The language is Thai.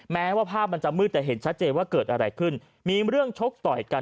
แม้ว่าภาพมันจะมืดแต่เห็นชัดเจนว่าเกิดอะไรขึ้นมีเรื่องชกต่อยกัน